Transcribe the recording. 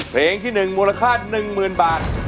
เพลงที่๑มูลค่า๑๐๐๐บาท